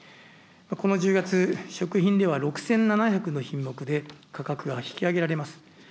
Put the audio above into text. この１０月、食品では６７００の品目で価格が引き上げられます。